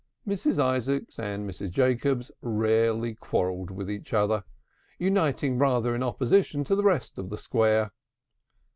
Mrs. Isaacs and Mrs. Jacobs rarely quarrelled with each other, uniting rather in opposition to the rest of the Square.